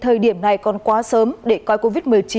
thời điểm này còn quá sớm để coi covid một mươi chín